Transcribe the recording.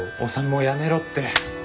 もうやめろって。